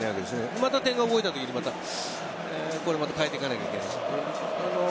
また点が動いたときに、これ変えていかなければいけない。